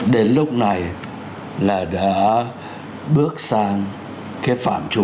đến lúc này là đã bước sang cái phạm trụ